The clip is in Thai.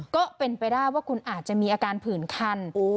ก็เป็นไปได้ว่าคุณอาจจะมีอาการผื่นคัน